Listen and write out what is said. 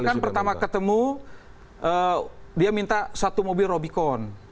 kan pertama ketemu dia minta satu mobil robicon